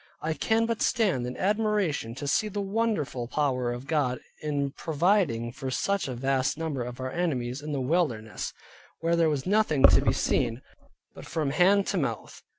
I can but stand in admiration to see the wonderful power of God in providing for such a vast number of our enemies in the wilderness, where there was nothing to be seen, but from hand to mouth.